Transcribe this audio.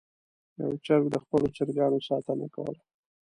یو چرګ د خپلو چرګانو ساتنه کوله.